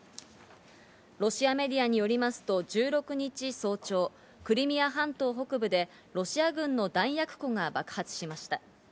ロシアメディアによりますと１６日早朝、クリミア半島北部でロシア軍の弾薬庫が爆発しました。